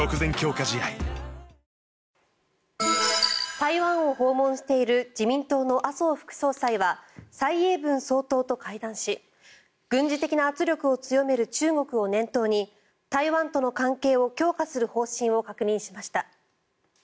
台湾を訪問している自民党の麻生副総裁は蔡英文総統と会談し軍事的な圧力を強める中国を念頭に台湾との関係を強化する方針を確認しました。